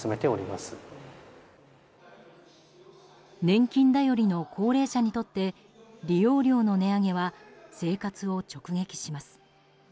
年金頼りの高齢者にとって利用料の値上げは生活を直撃します。